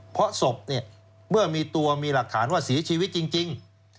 เพราะศพเนี่ยเมื่อมีตัวมีหลักฐานว่าเสียชีวิตจริง